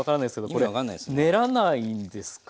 これ練らないんですか？